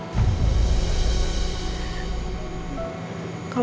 setelah kira apa